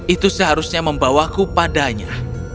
itu seharusnya membawaku padanya